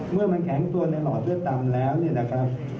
เมื่อมันแข็งตัวในหลอดเลือดต่ำแล้วเนี่ยนะครับ